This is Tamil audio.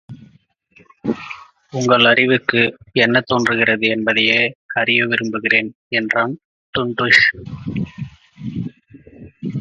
உங்கள் அறிவுக்கு என்ன தோன்றுகிறது என்பதையே அறிய விரும்புகிறேன் என்றான் டுன்டுஷ்.